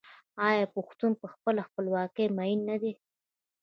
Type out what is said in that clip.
آیا پښتون په خپله خپلواکۍ مین نه دی؟